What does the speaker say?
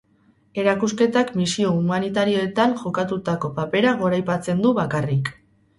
Erakusketak misio humanitarioetan jokatutako papera goraipatzen du bakarrik.